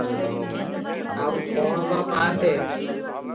ଆଉ କଅଣ ବା ପାଆନ୍ତେ?